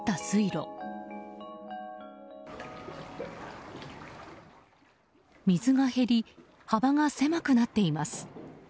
水が減り、幅が狭くなっています。